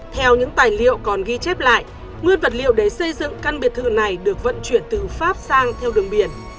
theo những tài liệu còn ghi chép lại nguyên vật liệu để xây dựng căn biệt thự này được vận chuyển từ pháp sang theo đường biển